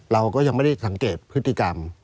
เราก็ยังไม่ได้สังเกตพฤติกรรม